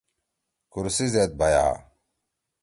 کرسی زید بَھیا۔